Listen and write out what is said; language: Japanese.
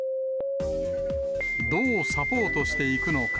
どうサポートしていくのか。